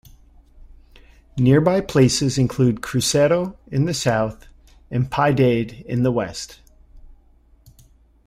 Nearby places include Cruzeiro in the south and Piedade in the west.